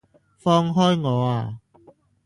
放開我啊！